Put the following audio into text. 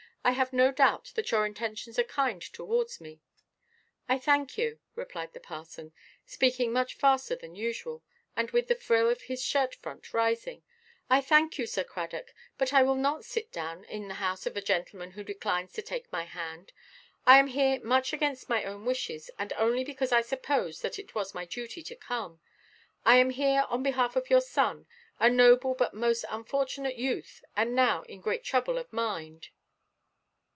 I have no doubt that your intentions are kind towards me." "I thank you," replied the parson, speaking much faster than usual, and with the frill of his shirt–front rising; "I thank you, Sir Cradock Nowell; but I will not sit down in the house of a gentleman who declines to take my hand. I am here much against my own wishes, and only because I supposed that it was my duty to come. I am here on behalf of your son, a noble but most unfortunate youth, and now in great trouble of mind."